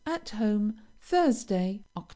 At home, Thursday, Oct.